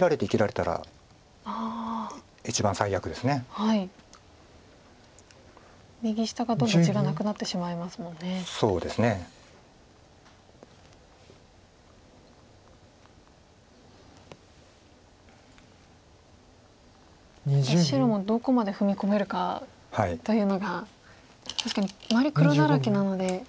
ただ白もどこまで踏み込めるかというのが確かに周り黒だらけなので。